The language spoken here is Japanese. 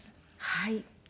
はい。